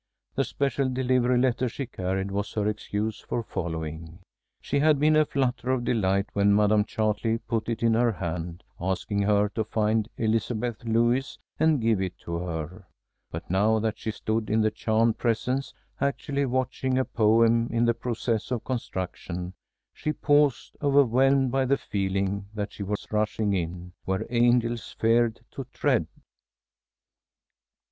The special delivery letter she carried was her excuse for following. She had been in a flutter of delight when Madame Chartley put it in her hand, asking her to find Elizabeth Lewis and give it to her. But now that she stood in the charmed presence, actually watching a poem in the process of construction, she paused, overwhelmed by the feeling that she was rushing in "where angels feared to tread."